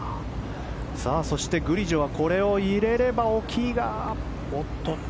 そして、グリジョはこれを入れれば大きいが。